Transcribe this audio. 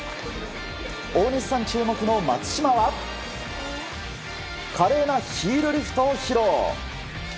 大西さん注目の松島は華麗なヒールリフトを披露。